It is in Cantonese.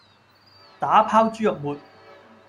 打拋豬肉末